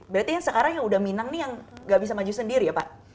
berarti yang sekarang yang udah minang nih yang gak bisa maju sendiri ya pak